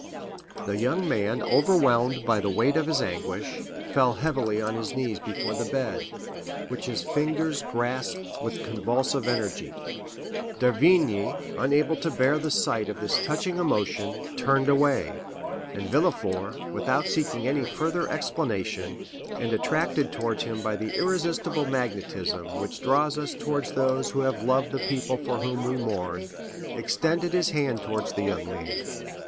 The young man overwhelmed by the weight of his anguish, fell heavily on his knees before the bed, which his fingers grasped with convulsive energy. D'Avrigny, unable to bear the sight of this touching emotion, turned away; and Villefort, without seeking any further explanation, and attracted towards him by the irresistible magnetism which draws us towards those who have loved the people for whom we mourn, extended his hand towards the young man.